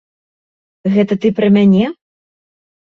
Гэта ты пра мяне?